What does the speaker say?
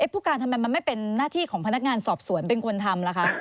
ผู้การทำไมมันไม่เป็นหน้าที่ของพนักงานสอบสวนเป็นคนทำล่ะคะ